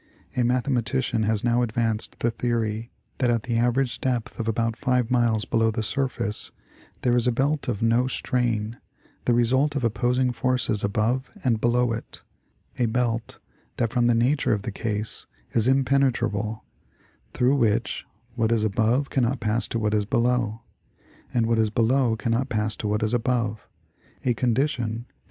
A mathematician has now advanced the the ory that at the average depth of about five miles below the surface there is a belt of " no strain," the result of opposing forces above and below it, a belt that from the nature of the case is impenetra ble, through which, what is above cannot pass to what is below, and what is below cannot pass to what is above, a condition that 134 National Geographic Magazine.